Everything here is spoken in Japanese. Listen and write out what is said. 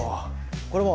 これも？